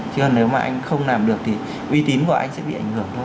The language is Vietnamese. chứ nếu mà anh không làm được thì uy tín của anh sẽ bị ảnh hưởng